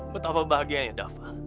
betapa bahagia ya dafa